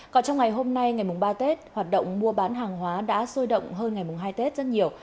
còn trong ngày hôm nay ngày mùng ba tết hoạt động mua bán hàng hóa đã sôi động hơn ngày mùng hai tết rất nhiều